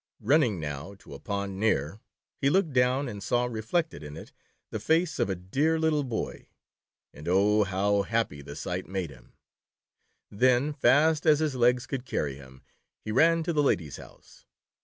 Running now to a pond near, he looked down and saw reflected in it, the face of a dear little boy, and oh, how happy the The Toad Boy. 193 sight made him. Then fast as his legs could carry him, he ran to the lady's house.